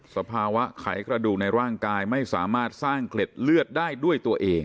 สภาวะไขกระดูกในร่างกายไม่สามารถสร้างเกล็ดเลือดได้ด้วยตัวเอง